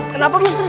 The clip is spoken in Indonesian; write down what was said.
kenapa mister sergei